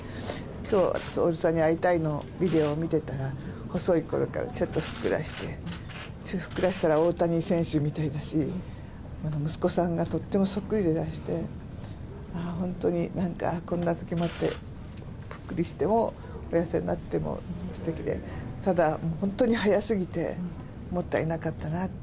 きょう、徹さんにあいたいのビデオを見てたら、細いころからちょっとふっくらして、ふっくらしたら大谷選手みたいだし、息子さんがとってもそっくりでいらして、ああ、本当になんか、こんなときもあって、ぷっくりしても、お痩せになっても、すてきで、ただ、本当に早すぎてもったいなかったなって。